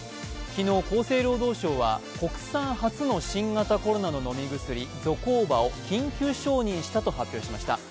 昨日、厚生労働省は国産初の新型コロナの飲み薬ゾコーバを緊急承認したと発表しました。